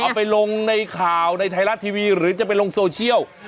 ไปลงในข่าวในไทยรัฐทีวีหรือจะไปลงโซเชียล